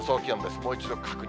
もう一度確認。